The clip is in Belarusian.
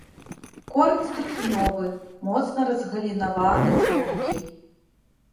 Корань стрыжнёвы, моцна разгалінаваны, тонкі.